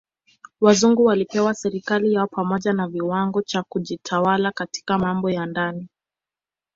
Wazungu walipewa serikali yao pamoja na kiwango cha kujitawala katika mambo ya ndani.